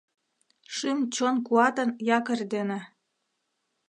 Шӱм-чон куатын якорь дене